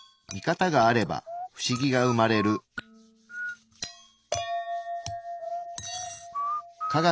ミカタがあればフシギが生まれる。